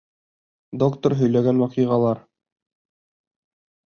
ДОКТОР ҺӨЙЛӘГӘН ВАҠИҒАЛАР.